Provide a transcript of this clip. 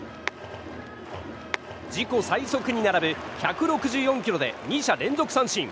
自己最速に並ぶ１６４キロで２者連続三振。